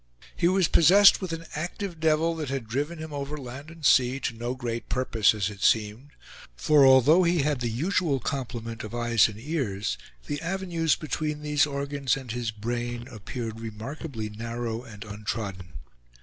He was possessed with an active devil that had driven him over land and sea, to no great purpose, as it seemed; for although he had the usual complement of eyes and ears, the avenues between these organs and his brain appeared remarkably narrow and untrodden.